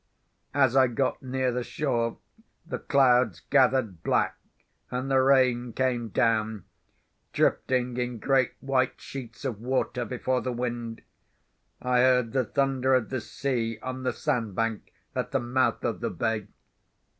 As I got near the shore, the clouds gathered black, and the rain came down, drifting in great white sheets of water before the wind. I heard the thunder of the sea on the sand bank at the mouth of the bay.